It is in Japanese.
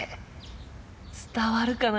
伝わるかな？